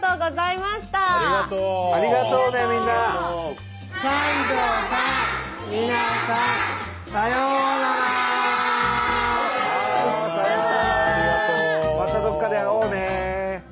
またどこかで会おうね。